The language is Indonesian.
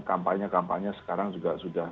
kampanye kampanye sekarang juga sudah